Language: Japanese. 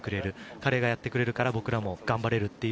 彼がやってくれるから僕も頑張れる。